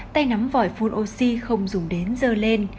tay nắm vỏ phun oxy không dùng đến dơ lên